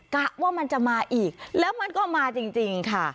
กะว่ามันจะมาอีกแล้วมันก็มาจริงค่ะ